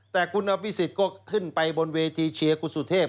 แต่คุณอภิษฎก็ขึ้นไปบนเวทีเชียร์คุณสุเทพ